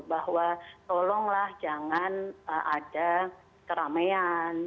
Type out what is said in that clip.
bahwa tolonglah jangan ada keramaian